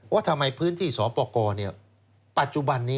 ว่าทำไมพื้นที่สปกรปัจจุบันนี้